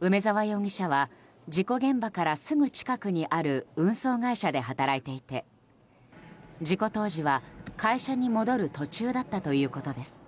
梅沢容疑者は事故現場からすぐ近くにある運送会社で働いていて事故当時は会社に戻る途中だったということです。